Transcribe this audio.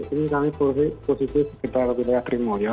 ini kami positif kita lebih dari krimul ya